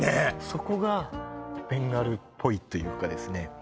そこがベンガルっぽいというかですね